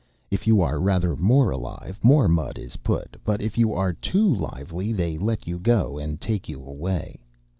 If you are rather more alive, more mud is put; but if you are too lively they let you go and take you away.